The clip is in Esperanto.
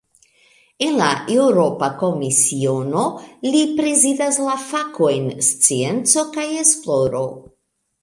En la Eŭropa Komisiono, li prezidas la fakojn "scienco kaj esploro".